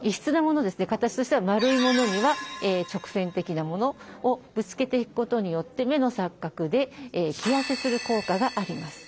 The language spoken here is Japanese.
形としては丸いものには直線的なものをぶつけていくことによって目の錯覚で着やせする効果があります。